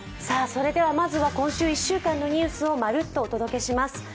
それではまずは今週１週間のニュースをまるっとお届けします。